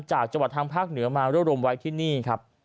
จากจังหวัดทางภาคเหนือมารวบรวมไว้ที่นี่ครับ